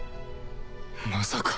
まさか